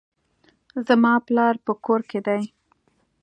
زما پلار په کور کښي دئ.